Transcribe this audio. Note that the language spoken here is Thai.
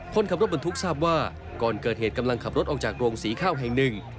คนขับรถบรรทุกทราบว่าก่อนเกิดเหตุกำลังขับรถออกจากโรงสีข้าวแห่งหนึ่ง